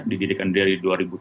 dibidikan dari dua ribu tujuh belas